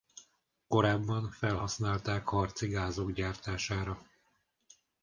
Korábban felhasználták harci gázok gyártására.